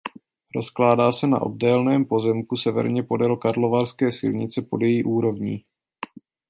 Rozkládá se na obdélném pozemku severně podél Karlovarské silnice pod její úrovní.